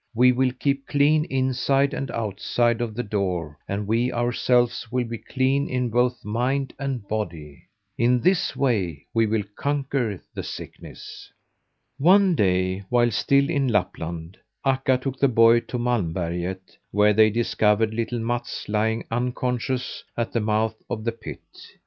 We will keep clean inside and outside of the door and we ourselves will be clean in both mind and body. In this way we will conquer the sickness." One day, while still in Lapland, Akka took the boy to Malmberget, where they discovered little Mats lying unconscious at the mouth of the pit.